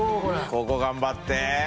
ここ頑張って！